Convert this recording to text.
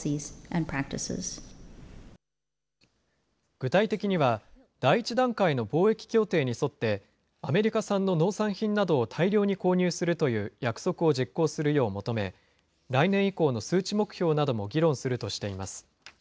具体的には、第１段階の貿易協定に沿って、アメリカ産の農産品などを大量に購入するという約束を実行するよう求め、来年以降の数値目標なども議論するとしています。